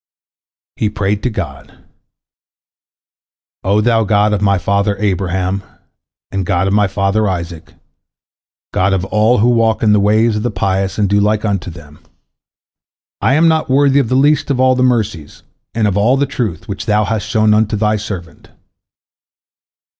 He prayed to God: "O Thou God of my father Abraham, and God of my father Isaac, God of all who walk in the ways of the pious and do like unto them! I am not worthy of the least of all the mercies, and of all the truth, which Thou hast showed unto Thy servant.